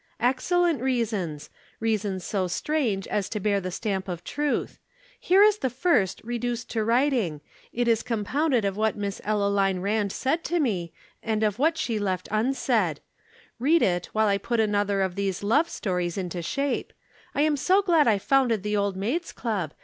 "Excellent reasons. Reasons so strange as to bear the stamp of truth. Here is the first reduced to writing. It is compounded of what Miss Ellaline Rand said to me and of what she left unsaid. Read it, while I put another of these love stories into shape. I am so glad I founded the Old Maids' Club.